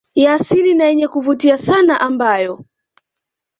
ya asili na yenye kuvutia sana ambayo